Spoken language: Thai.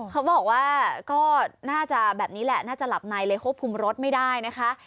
เขาบอกว่าก็น่าจะแบบนี้แหละน่าจะหลับในเลยควบคุมรถไม่ได้นะคะ